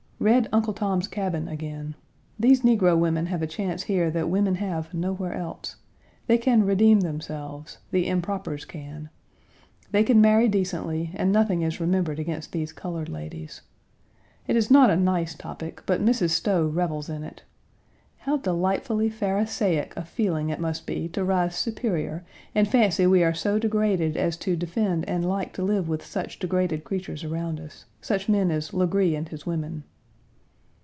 Read Uncle Tom's Cabin again. These negro women have a chance here that women have nowhere else. They can redeem themselves the "impropers" can. They can marry decently, and nothing is remembered against these colored ladies. It is not a nice topic, but Mrs. Stowe revels in it. How delightfully Pharisaic a feeling it must be to rise superior and fancy we are so degraded as to defend and like to live with such degraded creatures around us such men as Legree and his women.